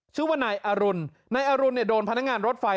ชื่อว่านายอรุณนายอรุณเนี่ยโดนพนักงานรถไฟ